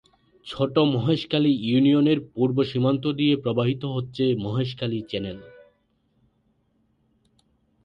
ছোট মহেশখালী ইউনিয়নের পূর্ব সীমান্ত দিয়ে প্রবাহিত হচ্ছে মহেশখালী চ্যানেল।